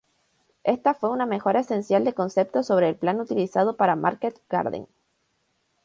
Esta fue una mejora esencial de concepto sobre el plan utilizado para Market Garden.